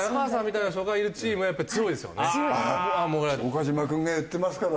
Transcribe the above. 岡島君が言ってますから。